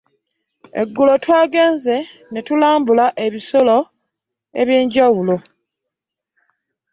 Eggulo twagenze netulambula ebisolo eby'enjawulo.